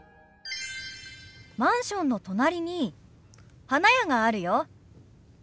マンションの隣に花屋があるよ。